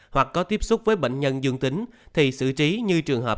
hoặc có tiếp xúc với bệnh nhân dương tính